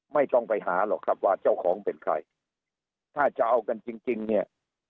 ไม่ต้องไปหาหรอกครับว่าเจ้าของเป็นใครถ้าจะเอากันจริงจริงเนี่ย